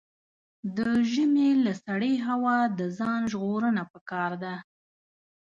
د ژمي له سړې هوا د ځان ژغورنه پکار ده.